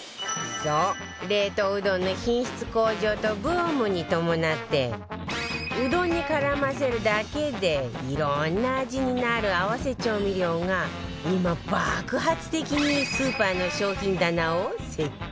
そう冷凍うどんの品質向上とブームに伴ってうどんに絡ませるだけでいろんな味になる合わせ調味料が今爆発的にスーパーの商品棚を席巻してるのよ